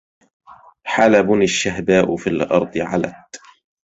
حلب الشهباء في الارض علت